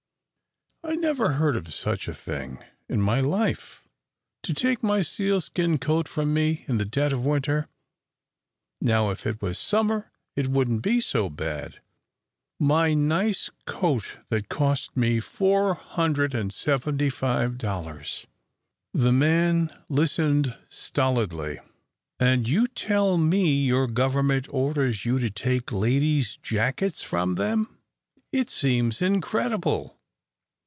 "I never heard of such a thing in my life to take my sealskin coat from me in the dead of winter. Now if it was summer, it wouldn't be so bad. My nice coat that cost me four hundred and seventy five dollars." The man listened stolidly. "And you tell me your government orders you to take ladies' jackets from them. It seems incredible!"